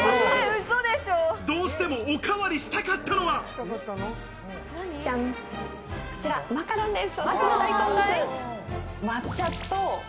どうしても、おかわりしたかこちら、マカロンです。